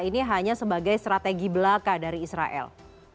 ini hanya sebagai strategi belaka dari israel